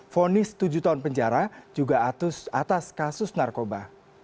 fonis tujuh tahun penjara juga atas kasus narkoba